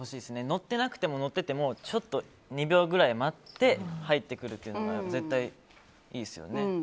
乗ってなくても乗っててもちょっと２秒くらい待って入ってくるというのが絶対いいですよね。